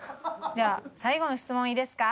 じゃあ最後の質問いいですか？